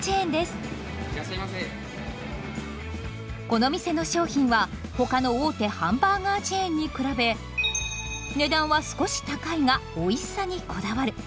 この店の商品はほかの大手ハンバーガーチェーンに比べ値段は少し高いがおいしさにこだわる。